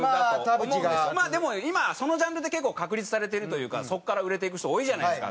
でも今そのジャンルって結構確立されてるというかそこから売れていく人多いじゃないですか。